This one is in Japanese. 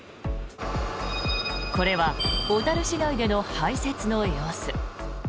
これは小樽市内での排雪の様子。